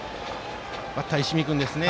バッターは石見君ですね。